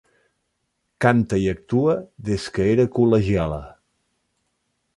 Canta i actua des que era col·legiala.